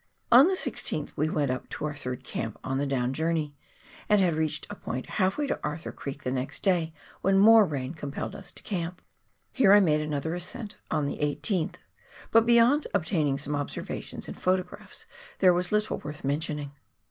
On the 16th we went up to our third camp on the down journey, and had reached a point half way to Arthur Creek the next day when more rain compelled us to camp. Here I made another ascent, on the 18th, but beyond obtaining some observations and photographs there was little worth mentioning.